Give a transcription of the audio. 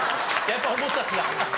やっぱ思ったんだ。